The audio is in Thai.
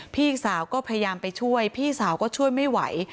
พี่สาวก็พยายามไปช่วยพี่สาวก็ช่วยไม่ไหว